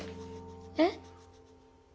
えっ？